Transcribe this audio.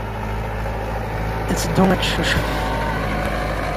Ad teddu ad teccucef.